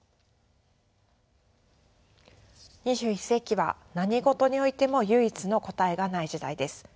２１世紀は何事においても唯一の答えがない時代です。